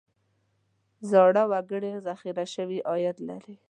زاړه وګړي ذخیره شوی عاید لري.